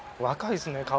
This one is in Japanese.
若いですね。